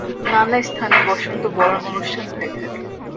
নানা স্থানে বসন্ত বরণ অনুষ্ঠান হয়ে থাকে।